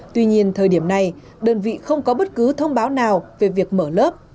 tuy nhiên thời điểm này đơn vị không có bất cứ thông báo nào về việc mở lớp